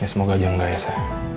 ya semoga aja nggak ya sa